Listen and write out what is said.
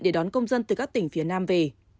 để đón công dân từ các tỉnh phía nam về